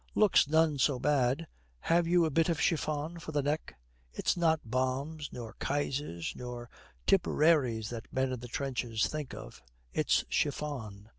'Looks none so bad. Have you a bit of chiffon for the neck? It's not bombs nor Kaisers nor Tipperary that men in the trenches think of, it's chiffon.'